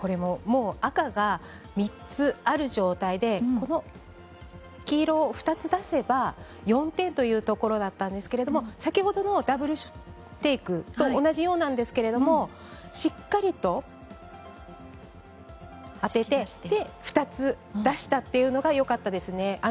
赤が３つある状態で黄色を２つ出せば４点というところだったんですが先ほどのダブルテイクと同じようなんですけれどもしっかりと当てて２つ出したというのがよかったですね。